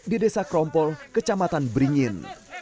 di desa krompol kecamatan beringin